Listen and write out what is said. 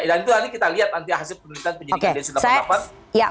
dan itu nanti kita lihat nanti hasil penyelidikan densus delapan puluh delapan